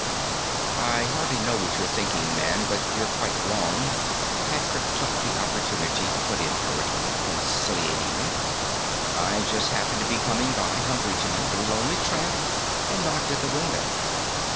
_" "I hardly know what you're thinking, man, but you're quite wrong," Patrick took the opportunity to put in hurriedly, conciliatingly. "I just happened to be coming by hungry tonight, a lonely tramp, and knocked at the window.